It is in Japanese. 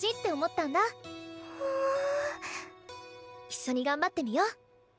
一緒に頑張ってみよ？